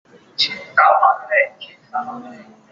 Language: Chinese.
出身海宁查氏望族。